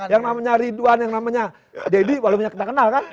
yang namanya ridwan yang namanya deddy walaupun dia tidak kenal kan